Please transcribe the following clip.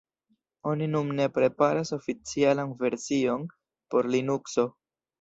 Oni nun ne preparas oficialan version por Linukso.